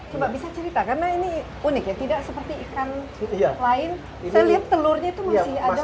coba bisa cerita karena ini unik ya tidak seperti ikan lain saya lihat telurnya itu masih ada